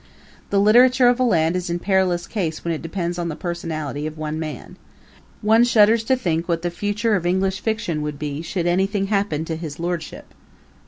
The literature of a land is in perilous case when it depends on the personality of one man. One shudders to think what the future of English fiction would be should anything happen to his Lordship!